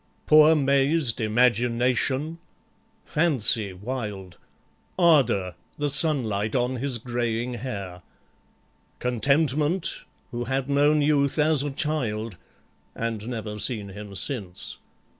Poor maz'd IMAGINATION; FANCY wild; ARDOUR, the sunlight on his greying hair; CONTENTMENT, who had known YOUTH as a child And never seen him since.